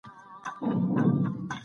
په دغي کیسې کي يو لوی حکمت دی.